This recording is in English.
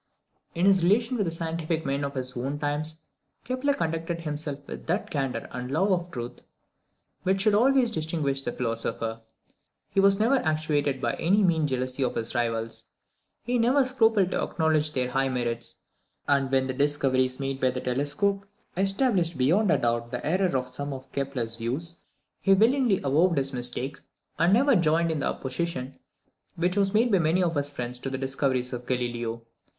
In his relations with the scientific men of his own times, Kepler conducted himself with that candour and love of truth which should always distinguish the philosopher. He was never actuated by any mean jealousy of his rivals. He never scrupled to acknowledge their high merits; and when the discoveries made by the telescope established beyond a doubt the errors of some of Kepler's views, he willingly avowed his mistake, and never joined in the opposition which was made by many of his friends to the discoveries of Galileo.